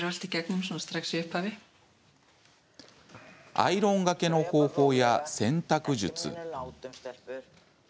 アイロンがけの方法や洗濯術。